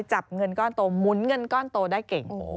จับเงินก้อนโตหมุนเงินก้อนโตได้เก่ง